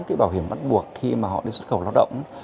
cái bảo hiểm bắt buộc khi mà họ đi xuất khẩu lao động